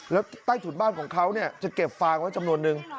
แล้วใต้ถุนบ้านของเขาจะเก็บฟางไว้จำนวนนึง